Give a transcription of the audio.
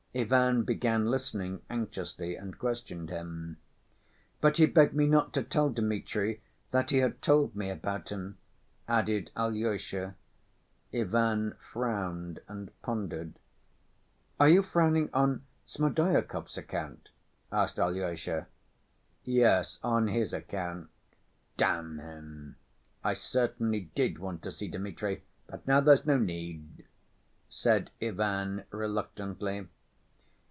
Ivan began listening anxiously and questioned him. "But he begged me not to tell Dmitri that he had told me about him," added Alyosha. Ivan frowned and pondered. "Are you frowning on Smerdyakov's account?" asked Alyosha. "Yes, on his account. Damn him, I certainly did want to see Dmitri, but now there's no need," said Ivan reluctantly.